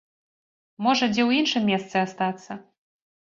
Можа, дзе ў іншым месцы астацца?